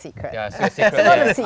saya akan memberitahu kamu